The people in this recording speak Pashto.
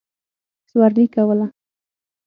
سورلي کوله.